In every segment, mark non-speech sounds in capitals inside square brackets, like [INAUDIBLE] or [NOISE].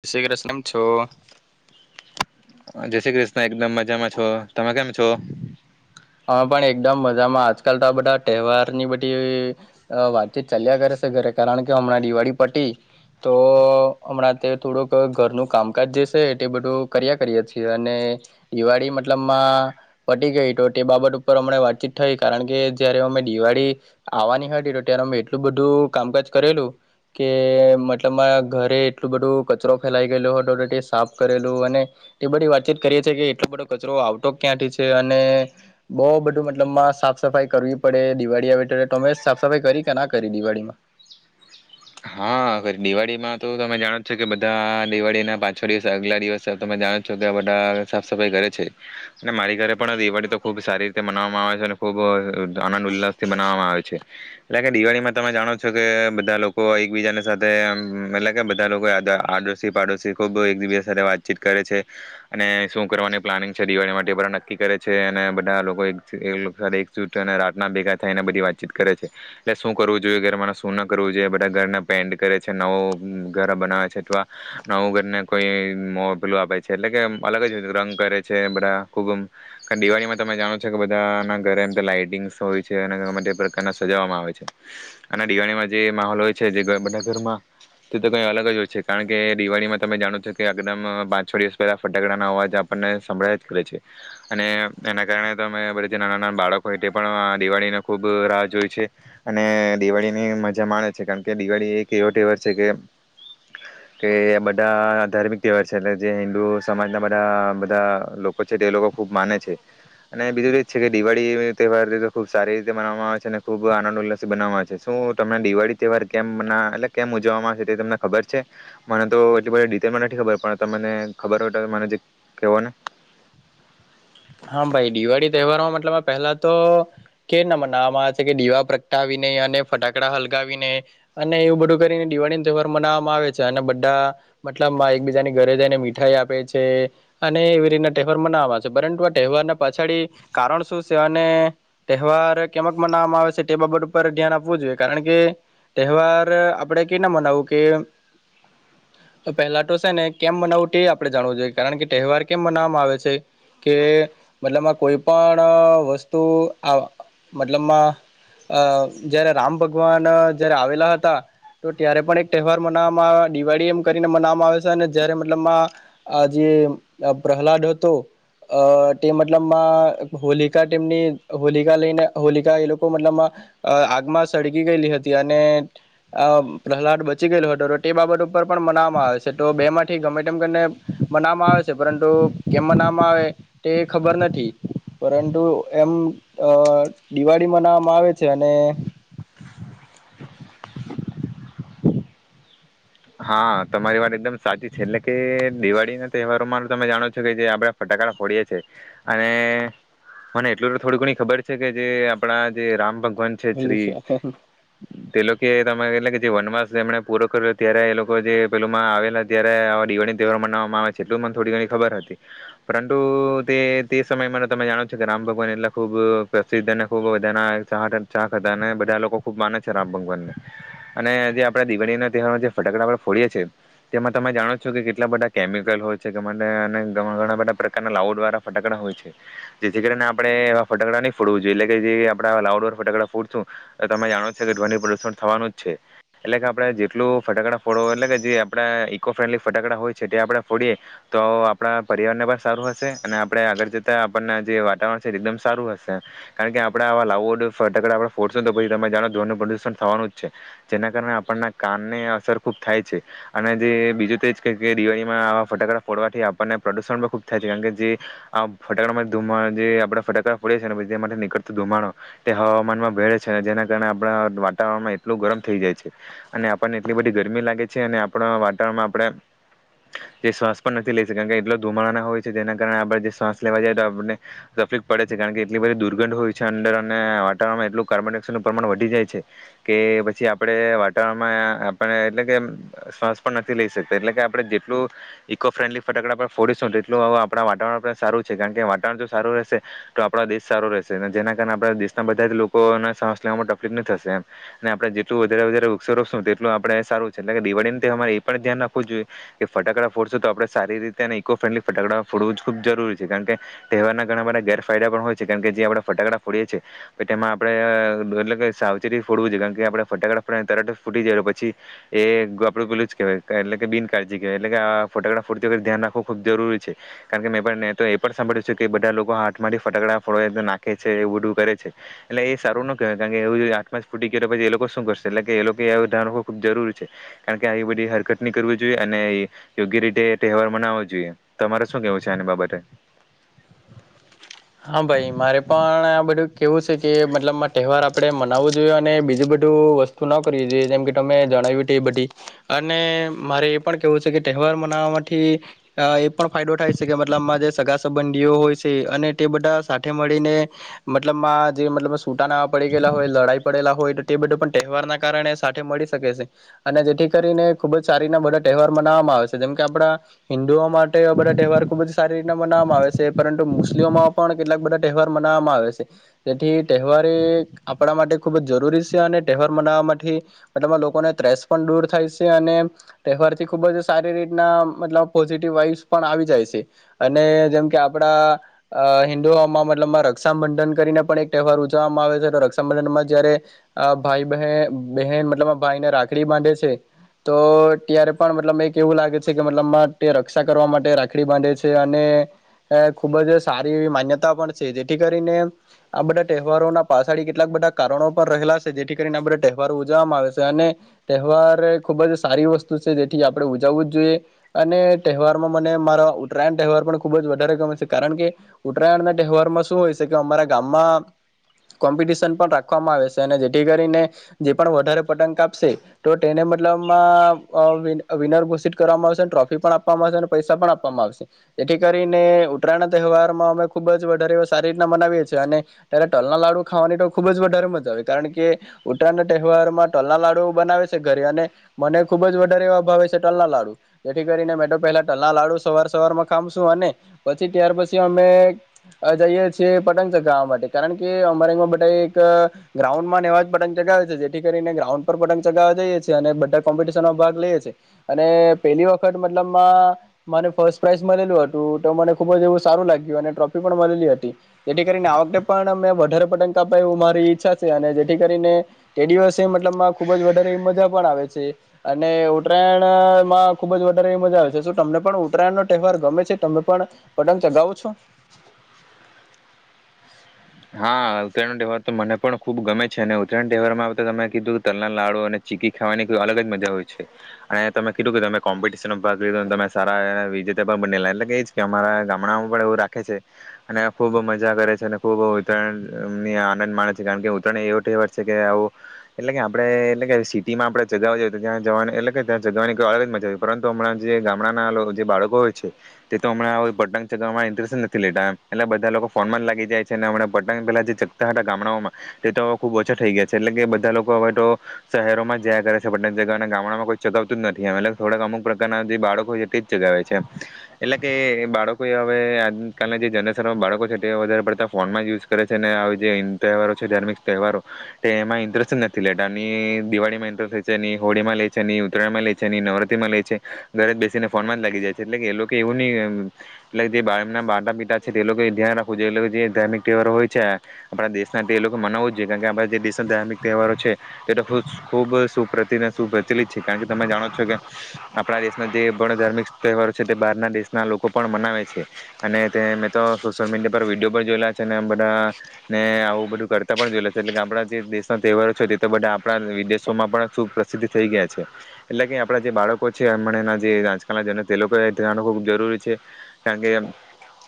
જય શ્રી કૃષ્ણ, કેમ છો? જય શ્રી ક્રિષ્ણ એકદમ મજામાં છો તમે કેમ છો? અમે પણ એકદમ મજામાં આજકાલ તો આ બધા તહેવાર ની બધી વાતચીત ચાલ્યા કરે છે ઘરે કારણ કે હમણાં દિવાળી પટી તો હમણાં તે થોડુંક ઘરનું કામકાજ જે છે તે બધું કર્યા કરીએ છીએ અને દિવાળી મતલબમાં પટી ગઈ તો તે બાબત ઉપર અમણા વાતચીત થઈ કારણ કે જયારે અમે દિવાળી આવવાની હતી તો ત્યારે અમે એટલું બધું કામકાજ કરેલું કે મતલબ ઘરે એટલું બધું કચરો ફેલાઈ ગયેલો હતો સાફ કરેલું અને એ બધી વાતચીત કરીએી કે એટલો બધો કચરો આવતો ક્યાંથી છે અને બહ બધું મતલબમાં સાફ સફાઈ કરવી પડે દિવાળી આવે તોમે સાફ સફાઈ કરી કે ના કરી દિવાળીમાં હા દિવાળીમાં તો તમે જાણો જ છો કે બધા દિવાળી ના પાછો દિવસ આગલા દિવસ તમે જાણો છો કે આ બધા સાફ સફાઈ કરે છે અને મારી ઘરે પણ દિવાળી તો ખૂબ સારી રીતે મનાવવામાં આવે છે અને ખૂબ આનંદ ઉલ્લાસ થી મનાવવામાં આવે છે એટલે કે દિવાળીમાં તમે જાણો છો કે બધા લોકો એકબીજાને સાથે એટલે કે બધા લોકો આડશી પાડોશી ખુબ એકબી સાથે વાતચીત કરે છે અને શું કરવાની પ્લાનિંગ છે દિવાળી માટે નક્કી કરે છે અને બધા લોકો એકજૂ અને રાતના ભેગા થાયને બધી વાતચીત કરે છે એટલે શું કરવું જોઈએ ઘરમાં શું ના કરવું જોઈએ બધા ઘરના પેન્ટ કરે છે નવું ઘર બનાવે છે અથવા નવું ઘરને કોઈ મોબલોું આપે છે એટલે કે અલગ જ રંગ કરે છે બધા ખૂબ દિવાળીમાં તમે જાણો છો કે બધા ના ઘરે એમ લાાઈટિંગ્સ હોય છે અને ઘ પ્રકારના સજાવવામાં આવે છે અને દિવાળીમાં જે માહોલ હોય છે જે બધા ઘરમાં તે તો કઈ અલગ જ હોય છે કારણ કે દિવાળીમાં તમે જાણો છો કે એકદમ પાંચ છ દિવસ પહેલા ફટાકડાના અવાજ આપણને સંભળાય જ કરે છે અને એના કારણે તમે બધ નાના નાના બાળકો એ પણ દિવાળીને ખૂબ રાહ જો હોય છે અને દિવાળીની મજા માણે છે કારણ કે. દિવાળી એક એવો તહેવાર છે કે કે બધા ધાર્મિક તહેવાર છે એટલે જે હિન્દુ સમાજના બધા બધા લોકો છે તે લોકો ખૂબ માને છે અને બીજું એ જ છે કે દિવાળી તહેવાર ખૂબ સારી રીતે મનાવામાં આવે છે અને ખૂબ આનંદ ઉલ્લાસ બનવામાં આવે છે શું તમને દિવાળી તહેવાર. કેમ ના એટલે કેમ ઉજવવામાંશે તે તમને ખબર છે મને તો એટલી બધ ડિટેલમાં નથી ખબર પણ તમને ખબર હોય તો મને જે કેવો ને. હા ભાઈ દિવાળી તહેવારમાં મતલબ પહેલા તો કેઇના મનાવામાં આવે છે કે દિવા પ્રગટાવી ને અને ફટાકડા હલગાવી ને અને એવું બધું કરીને દિવાળી ન તહેવાર મનાવામાં આવે છે અને બધા. મતલબ બધા એકબીજાની ઘરે જઈને મી [UNINTELLIGIBLE] આપે છે અને એવી રીતના તહેવાર [UNINTELLIGIBLE] છે. તહેવાર પાછડી કારણ શું છે અને તહેવાર કેમક મનાવામાં આવે છે તે બાબત ઉપર ધ્યાન આપવું જોઈએ કારણ કે તહેવાર આપણે કે ના મનાવવું કે પહેલા તો છે ને કેમ મનાવવું તે આપણે જાણવું જોઈએ કારણ કે તહેવાર કેમ મનાવવામાં આવે છે કે. મતલબમાં કોઈ પણ વસ્તુ મતલબમાં અ જયારે રામ ભગવાન જારે આવેલા હતા તો ત્યારે પણ એક તહેવાર મનાવામાં દિવાળી એમ કરીને મનાવામાં આવે છે અને જયારે મતલબમાં જે પ્રહલાદ હતો અ. તે મતલબમાં હોલિકા તેમની હોલિકા લઈને હોલિકા એ લોકો મતલબ આગમાં સળગી ગયેલી હતી અને અહ પ્રહલાદ બચી ગયેલો હતો તે બાબત ઉપર પણ મનાવામાં આવે છે તો બે માંથી ગમે તેમને મનાવામાં આવે છે પરંતુ કેમ મનાવામાં આવે. તે ખબર નથી પરંતુ એમ અ દિવાળી મનાવામાં આવે છે અને. હા તમારી વાત એકદમ સાચી છે એટલે કે દિવાળી ના તહેવારોમાં તમે જાણો છો કે જે આપડ ફટાકડા ફોડીએ અને મને એટલું તો થોડી ઘણી ખબર છે કે જે આપડા જે રામ ભક્ત. [UNINTELLIGIBLE] છે શ્રી તેલો કે તમારે એટ જે વનવાસ એમણે પૂરો કર્યો. ત્યારે એ લોકો જે પેલુંમાં આવેલા ત્યારે આવા દિવાળીનો તહેવાર મનાવવામાં આવે છે એટલું મને થોડી ઘણી ખબર હતી પરંતુ તે તે સમયમાં તમે જાણો છો કે રામ ભગવાન એટલે ખૂબ પ્રસિદ્ધ અને ખૂબ બધાના ચા ચાહ હતા અને બધા લોકો ખૂબ માને છે રામ ભગવાનને અને જે આપણા દિવાળીના તહેવારમાં જે. ફટાકડા પર ફોડીએ છીએ તેમાં તમે જાણો છો કે કેટલા બધા કેમિકલ હોય છે ગ ઘણા બધા પ્રકારના લાઉડ વાળા ફટાકડા હોય છે જેથી કરીને આપણેવા ફટાકડા નહીં ફોડવું જોઈએ એટલે કે જે આપ લાઉડ વાળા ફટકડા ફોડશું તો તમે જાણો છ કે ધ્વનિ પ્રદુષણ થવાનું જ છે એટલે કે આપણે જેટલું. ફટકડા ફોડ એટલે કે જે આપણે ઈકો ફ્રેન્ડલી ફટાકડા હોય છે તે આપણે ફોડીએ તો આપણા પર્યાવરણ ને પણ સારું હશે અને આપણે આગળ જતા આપણના જે વાતાવરણ છે એકદમ સારું હશે કારણ કે આપણે આવા લાઉડ ફટાકડા આપ ફોડશું તો પછી તમે જાણો જનું પ્રદુષણ થવાનું જ છે જેના કારણે આપણના કાનને. સર ખુબ થાય છે અને જે બીજું તે જ કે કે દિવાળીમાં આવા ફટાકડા ફોડવાથી આપણને પ્રદુષણ પણ ખુબ થાય છે કારણ કે જે આ ફટાકડામાં ધ જે આપડા ફટાકડા ફોડે છે ને માટેથી નીકળતું ધુમાડો તે હવામાનમાં ભળે છે જેના કારણે આપણા વાતાવરણમાં એટલું ગરમ થઈ જાય છે અને આપણને. એટલી બધી ગરમી લાગે છે અને આપણા વાતાવરણમાં આપણે જે શ્વાસ પણ નથી લઈ શ કારણ કે એટલા ધુમાડાના હોય છે જેના કારણે આપણે જે શ્વાસ લેવા જઈ તો આપને તકલીફ પડે છે કારણ કે એટલી બધી દુર્ગંધ હોય છે અંદર અને વાતાવરણમાં એટલું કાર્બન ડાયોક્સાઇડનું પ્રમાણ વધી જાય છે કે પછી આપણે વાતાવરણમાં. પણ એટલે કે શ્વાસ પણ નથી લઈ શકતા એટલે કે આપણે જેટલું ઈકો ફ્રેન્ડલી ફટાકડા પર ફોડીશું એટલું આપણા વાતાવરણ સારું છે કારણ કે વાતાવરણ જો સારું રહેશે તો આપણા દેશ સારું રહેશે જેના કારણે આપણા દેશના બધા જ લોકોને શ્વાસ લેવામાં તકલીફ ન થશે એમ અને આપણે જેટલું વધારે વધારે વૃક્ષ રોપશુ. આપણે સારું છે એ દિવાળી તહેવારમાં એ પણ ધ્યાન રાખવું જોઈએ કે ફટાકડા ફોડશું તો આપણે સારી રીતે અને ઇકો ફ્રેન્ડલી ફટાકડા ફોડવું જ ખૂબ જરૂરી છે કારણ કે તહેવારના ઘણા બ ગેરફાયદા પણ હોય છે કારણ કે જે આપણેે ફટાકડા ફોડીએ છીએ તેમાં આપણેે એટલે કે સાવચેતી ફોડવું જોઈ કારણ કે આપણે ફટાકડા તર જ ફૂટી જાય પછ. એ આપડું પેલું જ કેહેવાય એટલે કે બિનકાળજી કહેવાય એટલે કે આ ફટકડા ફૂટતી વખર ધ્યાન રાખવું ખૂબ જરૂરી છે કારણ કે મેં પણ તો એ પણ સાંભળ્યું છેું કે બધા લોકો આા માંથી ફટાકડા ફોડ નાખે છે એવું બધું કરે છે એટલે એ સારું ન કેહેવાય કારણ કે એવ હામાં જ ફૂટી પછી એ લોકો શું કરશે એટલે કે એ લોકો એ. ખૂબ જરૂરી છે કારણ કે આવી બધી હરકતની કરવી જોઈએ અને યોગ્ય રીતે તહેવાર મનાવવો જોઈએ તમારે શું કેવું છે આને બાબતે. હા ભાઈ મારે પણ આ બધું કેવું છે કે મતલબ. આપણે મનાવવો જોઈએ અને બીજ બધું વસ્તુ ના કરવી જોઈએ જેમ કે તમે જણાવ્યું હત એ બધી અને મારે એ પણ કેવું છે કે તહેવાર મનાવવા થી એ પણ ફાયદો થાય છે કે મતલબમાં જે સગા સંબંધીઓ હોય છે અને. તે બધા સાથે મળીને મતલબ જે મતલબ. છૂટા નવા પડી ગેલા હોય લડાઈ પડેલા હોય. બધું પણ તહેવાર ના કારણે સાથે મળી શકે છે અને જેથી કરીને ખુબ જ સારી ના બધા તહેવાર મનાવામાં આવે છે જેમ કે આપણા હિ જોવા માટે બધા તહેવાર ખુબ જ. સારી રીતના બનાવવામાં આવે છે પરંતુ મુસ્લિમો. પણ કેટલાક બધા તહેવાર મનાવવામાં આવે છે જેથી. તહેવારે આપણા માટે. ખૂબ જ જરૂરી છે અને તહેવાર મનાવા માટેથી મતલબ લોકોને ત્રેસ પણ દૂર થાય છે અને તહેવારથી ખૂબ જ સારી રીતના મતલબ પોઝિટિવ વાઇવસ પણ આવી જાય છે અને જેમ કે આપડા. અ હિન્દુઓમાં મતલબમાં રક્ષાબંધન કરીને પણ એક તહેવાર ઉજવવામાં આવે છે તો રક્ષાબંધનમાં જયારે ભાઈ બહેન બહેન મતલબ ભાઈને રાખડી બાંધે છે તો ત્યારે પણ મતલબ એક એવું લાગે છે કે મતલબમાં તે રક્ષા કરવા માટે રાખડી બાંધે છે અને ખૂબ જ. સારી માન્યતા પણ છે જેથી કરીને આ બધા તહેવારોના પાછળી કેટલાક બધા કારણો પર રહેલા છે જેથી કરીને આ બધા તહેવારો ઉજવવામાં આવે છે અને તહેવાર ખૂબ જ સારી વસ્તુ છે જેથી આપણે ઉજવવું જ જોઈએ અને તહેવારમાં મને મારા ઉત્તરાયણ તહેવાર પણ ખૂબ જ વધારે ગમે છે કારણ કે. તહેવારમાં શું હોય કે અમારા ગામમાં કોમ્પિટિશન પણ રાખવામાં આવે છે અને જેથી કરીને જે પણ વધારે પતંગ આપશે તો તેને મતલબમાં વિનર ઘોષિત કરવામાં આવશે ટ્રોફી પણ આપવામાં આવશે અને પૈસા પણ આપવામાં આવશે જેથી કરીને ઉત્તરાયણ તહેવાર. અમે ખુબ વધારે સારી રીતના મનાવીએ છીએ અને ત્યારે તલના લાડુ ખાવાની તો ખુબ જ વધારે મજા આવે કારણ કે ઉત્તરાણ ના તહેવાર માં ટલના લાડુ બનાવે છે ઘરે અને મને ખુબ જ વધારે એવા અ ભાવે છે ટલના લાડુ જેથી કરીને મેં તો પહેલા ટલના લાડુ સવાર સવારમાં ખામશું અને પછી ત્યાર પછી. અમે જઈએ છીએ પતંગ ચગાવવા માટે કારણ કે અમારે બા ગ્રાઉન્ડમાં એવા પતંગ ચગાવે છે જેથી કરીને ગ્રાઉન્ડ પર પતંગ ચગાવવા જઈએ છેએ અને બા કોમ્પિશનમાં ભાગ લઈએી અને પેલી વખત મતલબમાં મને ફસ્ટ પ્રાાઈઝ મળેલું હતું તો મને ખુબ એવું. સારું લાગ્યું અને ટ્રોફી પણ મળેલી હતી જેથી કરીને આ વખતે પણ મે વધારે પતંગ કાપાય એું મારી ઈચ્છા છે અને જેથી કરીને તે દિવસે મતલબમાં ખુબ જ વધારે મજા પણ આવે છે અને ઉત્તરાયણમાં ખુબ જ વધારે મજા આવે છે શું તમને પણ ઉત્તરાયણ નો તહેવાર ગમે છે ત પણ. ચગાવું છું. હા ઉત્તરાયણ તહેવાર તો મને પણ ખુબ ગમે છે અને ઉત્તરાયણ તહેવારમાં તો તમે કીધું કે તલના લાુ અને ચીકી ખાવાની અલગ જ મજા હોય છે અને તમે કીધું કે તમે કોમ્પિટશન ભાગ લીધો તમે સારા વિજેતા પણ બનેલા એ કે અરા ગામડામાં પણ એવું રાખે છે અને ખુબ મજા કરે છે. ખુબ ઉત્તરાયણને આનંદ માણે છે કારણ કે ઉત્તરાય એવો તહેવાર છે કે આવું એટલે કે આપડણે એટલે કે સિટી માં આપણે જગાવવાઈએ તો ત્યાં જવાની એટલે કે ત્યાં જગવાની કોઈડગ જ મજા આવે પરંતુ હમણાં જે ગામડાના જે બાળકો હોય છે તે તો હણાં પટંગ ચગવા ઇન્ટરેસ્ટ નથી લેતામ એટલે બધા લોકો ફોનમાં જ લાગી જાય. મ પતંગ પહેલા જે ચગતા હતા ગામડાઓમાં તે તો ખુબ ઓછા થઈ ગયા છે એટલે કે બધા લોકો હવે તો શહેરોમાં જયા કરે છે પટ જગાવવા અને ગામડાઓમાં કોઈ ચગાવતું જ નથી એટ થોડાક અમુક પ્રકારના જે બાળકો છે તે જ ચગાવે છે એટલે કે બાળકો હવે આજ કલના જે જનરેશનમાં બાળકો છે તે વધારે પડતા. ફોનમાં જ યુઝ કરે છે અને જે હિ તહેવારો છે ધારમિક તહેવારો તે એમાં ઇન્ટરેસ્ટ જ નથી લેટાની દિવાળીમાં ઇન્ટરેસ્ટ હો છે એની હોળી માં લે છે ની ઉતરાયણમાં લે છે ની નવરાત્રી માં લે છે ઘરે જ બેસીને ફોનમાં જ લાગી જાય છે એટલે કે એ લોકો એવું નહીં એટલે જે બા એના બાટા પિતા છે એ લોકો ધ્યાન રાખવું જો એ લોકો જે. તહેવારો હોય છે, આપણા દેશના તે લોકો મનાવવું જઈએ કારણ કે આપણા જે દેશના ધાર્મિક તહેવારો છે, તે તો ખૂબ સુપ્રતિ સુપ્રચલિત છે, કારણ કે તમે જાણો છો કે આપણા દેશના જે પણ ધાર્મિક તહેવારો છે તે બહારના દેશના લોકો પણ મનાવે છે. અને તે મેં તો સોશિયલ મીડિયા પર વિડીયો પણ જોયેલા બધા ને આવું બધું કરતા પણ જોય લ છે એટલે આપણા જે દેશના તહેવારો છે તે તો બધા આપણા વિદેશોમાં પણ શું પ્રસિદ્ધ થઈ ગયા છે. એટલે કે આપડા જે બાળકો છે હમણા જે આજકાલના જ તે લોકો ખૂબ જરૂરી છે, કારણ કે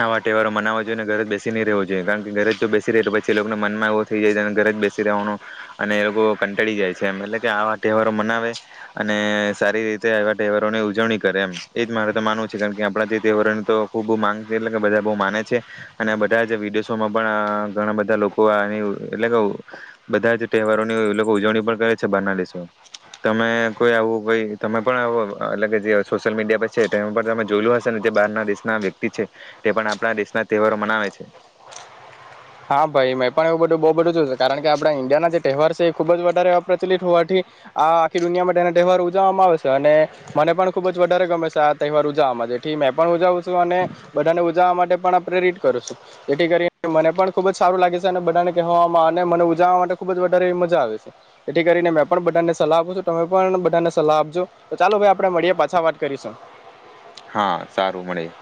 આવા તહેવારો મનાવવા જોઈએને ઘરે જ બેસી ન રહેવો જોઈ ઘરે બેસી પછી લોકો મનમાં એવો થઈ જાય ઘરે જ બેસી રહેવાનો અને એ લોકો કંટાળી જાય છે એમ એટલે કે આવા તહેવારો મનાવે અને સારી રીતે આવા તહેવારો ની ઉજવણી કરે એમ એજ મારે તો માનવું છે, કારણ કે આપણા જે તહેવારોની તો ખુબ માંને છે એટ કે બધા બહુ માને છે અને બધા જ વિડી માં પણ ઘણા બધા લોકો આ એટલે કે બધા જ તહેવારોની લોકો ઉજવણી પણ કરે છે બહારના દેશો તમે કોઈ આવું કો તમે પણ એટલે જે સોશિયલ મીડિયા પર છે તે પણમે જોયલું હશે ને જે બહારના દેશ ના વ્યક્તિ છે તે પણ આપણા દેશના તહેવારો મનાવે છે. હા ભાઈ મેં પણ એવું બધું બહુ બધું છે કારણ કે આપણા ઇન્ડિયાના જે તહેવાર છે એ ખૂબ જ વધારે પ્રચલિત હોવાથી આ આખી દુનિયા માટેના તહેવાર ઉજવવામાં આવેશે અને મને પણ ખુબ જ વધારે ગમે છે આ તહેવાર ઉજવવામાં જેથી મે પણ ઉજવું છું અને બધાને ઉજવવા માટે પણ પ્રેરિત કરું છું જેથી કરી મને પણ ખુબ જ સારું લાગે છે અને બધાને કહેવામાં અને મને ઉજાવા માટે ખુબ જ વધારે મજા આવે છે તેથી કરીને મેં પણ બધાને સલાહ આપું છું તમે પણ બધાને સલાહ આપજો તો ચાલો ભાઈ આપણે મળીએ પાછા વાત કરીશું. હા સારું મળીએ.